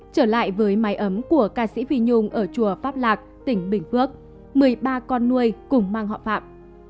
trở lại với mái ấm của ca sĩ phi nhung ở chùa pháp lạc tỉnh bình phước một mươi ba con nuôi cùng mang họ phạm